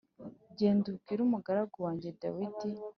“Genda ubwire umugaragu wanjye Dawidi